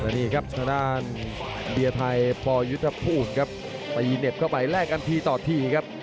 นี่ครับทางด้านเบียร์ไทยปยุทธภูมิครับตีเหน็บเข้าไปแลกกันทีต่อทีครับ